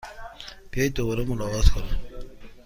بیایید دوباره ملاقات کنیم!